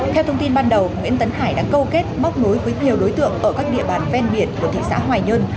theo thông tin ban đầu nguyễn tấn hải đã câu kết móc nối với nhiều đối tượng ở các địa bàn ven biển của thị xã hoài nhơn